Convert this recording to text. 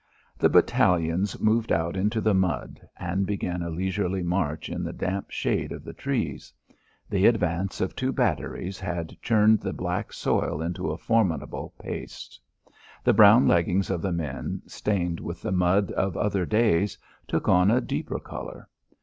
The battalions moved out into the mud and began a leisurely march in the damp shade of the trees. The advance of two batteries had churned the black soil into a formidable paste. The brown leggings of the men, stained with the mud of other days, took on a deeper colour.